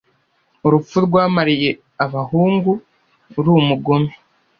Urupfu rwamariye abahungu uri umugome